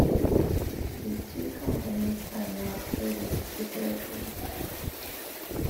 The two companies are now traded separately.